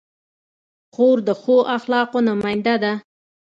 خور د ښو اخلاقو نماینده ده.